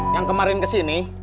yang kemarin ke sini